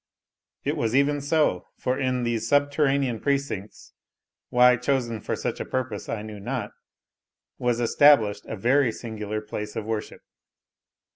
It was even so; for in these subterranean precincts, why chosen for such a purpose I knew not, was established a very singular place of worship.